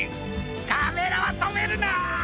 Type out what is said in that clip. カメラはとめるな！